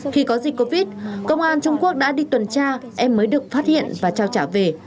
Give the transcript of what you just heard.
khi có dịch covid công an trung quốc đã đi tuần tra em mới được phát hiện và trao trả về